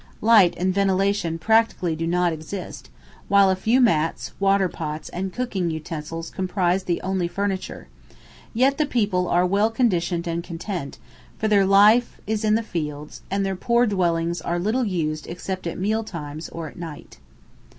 Light and ventilation practically do not exist, while a few mats, water pots, and cooking utensils comprise the only furniture; yet the people are well conditioned and content, for their life is in the fields, and their poor dwellings are little used except at meal times or at night.